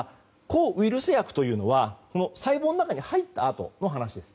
抗ウイルス薬というのは細胞の中に入ったあとの話です。